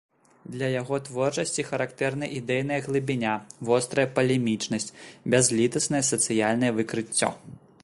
Для яго творчасці характэрны ідэйная глыбіня, вострая палемічнасць, бязлітаснае сацыяльнае выкрыццё.